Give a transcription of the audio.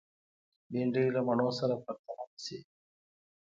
بېنډۍ له مڼو سره پرتله نشي